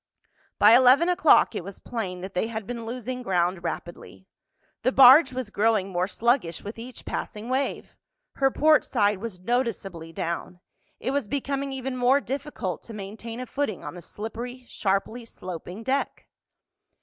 By eleven o'clock it was plain that they had been losing ground rapidly. The barge was growing more sluggish with each passing wave. Her portside was noticeably down—it was becoming even more difficult to maintain a footing on the slippery, sharply sloping deck.